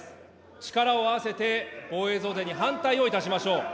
力を合わせて防衛増税に反対をいたしましょう。